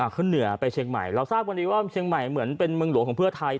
ขึ้นเหนือไปเชียงใหม่เราทราบวันนี้ว่าเชียงใหม่เหมือนเป็นเมืองหลวงของเพื่อไทย